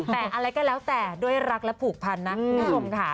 แต่อะไรก็แล้วแต่ด้วยรักและผูกพันนะคุณผู้ชมค่ะ